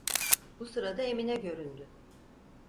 Bu sırada Emine göründü.